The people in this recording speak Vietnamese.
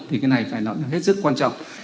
thì cái này phải nói hết sức quan trọng